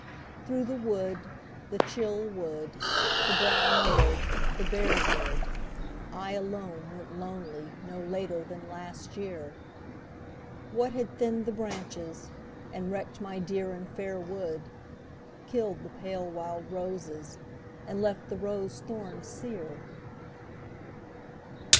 Through the wood, the chill wood, the brown wood, the bare wood, I alone went lonely no later than last year, What had thinned the branches, and wrecked my dear and fair wood, Killed the pale wild roses and left the rose thorns sere